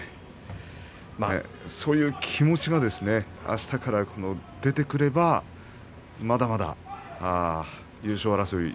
そういう気持ちが、あすから出てくればまだまだ優勝争い